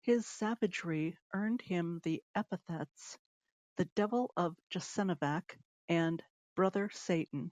His savagery earned him the epithets "The Devil of Jasenovac" and "Brother Satan".